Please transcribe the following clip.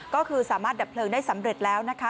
ก็คือสามารถดับเพลิงได้สำเร็จแล้วนะคะ